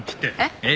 えっ？